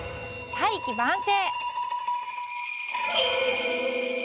「大器晩成」。